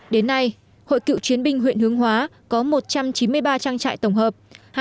đến nay hội cựu chiến binh huyện hướng hóa có một trăm chín mươi ba trang trại tổng hợp